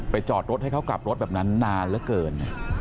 จอดรถให้เขากลับรถแบบนั้นนานเหลือเกิน